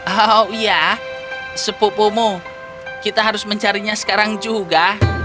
oh iya sepupumu kita harus mencarinya sekarang juga